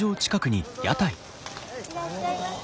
いらっしゃいませ。